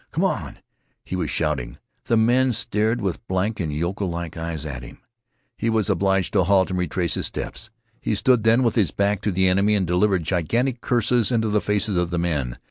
"Come on," he was shouting. The men stared with blank and yokel like eyes at him. He was obliged to halt and retrace his steps. He stood then with his back to the enemy and delivered gigantic curses into the faces of the men.